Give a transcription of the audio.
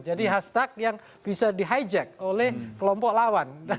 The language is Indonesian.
jadi hashtag yang bisa di hijack oleh kelompok lawan